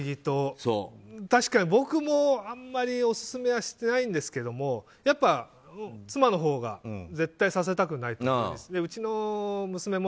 確かに僕もあまりおすすめはしてないんですけどやっぱり、妻のほうが絶対させたくないということです。